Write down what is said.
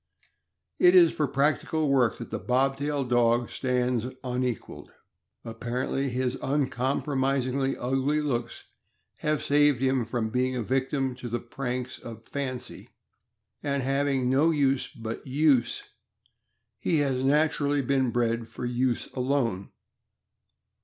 It is for practical work that the bobtailed dog stands unequaled. Apparently his uncompromisingly ugly looks have saved him from being a victim to the pranks of " fancy," and having no use but use, he has naturally been bred for use alone.